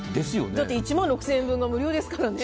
１万６０００円分が無料ですからね。